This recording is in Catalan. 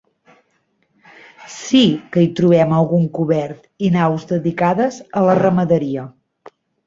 Sí que hi trobem algun cobert i naus dedicades a la ramaderia.